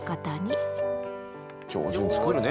上手に作るね。